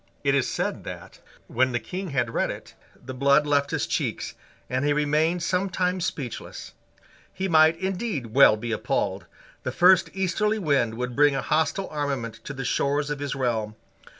It is said that, when the King had read it, the blood left his cheeks, and he remained some time speechless. He might, indeed, well be appalled. The first easterly wind would bring a hostile armament to the shores of his realm.